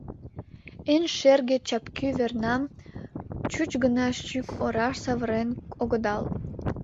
Эн шерге чапкӱ вернам чуч гына шӱк ораш савырен огыдал!